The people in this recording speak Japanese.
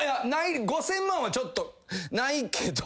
５，０００万はちょっとないけど。